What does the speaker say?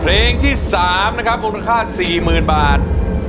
เพลงที่๓นะครับมูลค่า๔๐๐๐บาท